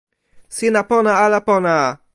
sina pona ala pona?